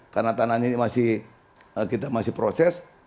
kalau kita masih proses